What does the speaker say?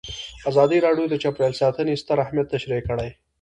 ازادي راډیو د چاپیریال ساتنه ستر اهميت تشریح کړی.